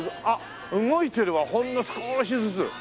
あっ動いてるわほんの少しずつ。